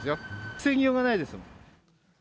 防ぎようがないですもん。